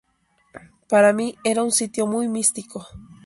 Para mí era un sitio muy místico.